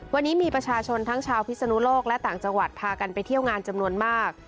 วันนี้มีประชาชนทั้งชาวพิศนุโลกและต่างจังหวัดพากันไปเที่ยวงานจำนวนมาก